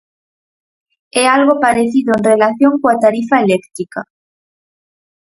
E algo parecido en relación coa tarifa eléctrica.